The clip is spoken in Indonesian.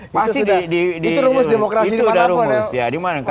itu sudah rumus demokrasi dimana pun ya